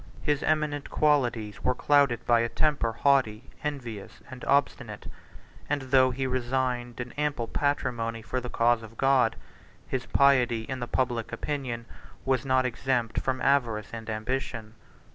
His eminent qualities were clouded by a temper haughty, envious, and obstinate; and, though he resigned an ample patrimony for the cause of God, his piety, in the public opinion, was not exempt from avarice and ambition.